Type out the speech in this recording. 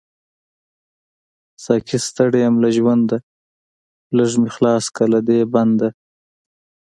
ساقۍ ستړی يم له ژونده، ليږ می خلاص کړه له دی بنده